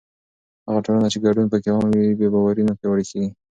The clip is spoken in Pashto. هغه ټولنه چې ګډون پکې عام وي، بې باوري نه پیاوړې کېږي.